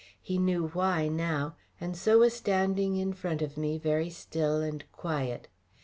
He knew why, now, and so was standing in front of me very still and quiet.